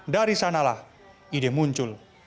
dari sanalah ide muncul